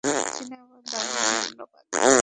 চিনাবাদাম, ধন্যবাদ।